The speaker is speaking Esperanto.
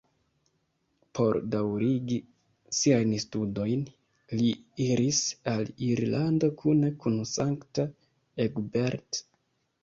Por daŭrigi siajn studojn, li iris al Irlando kune kun Sankta Egbert.